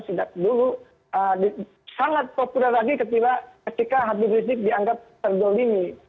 sejak dulu sangat populer lagi ketika habib rizik dianggap terdolimi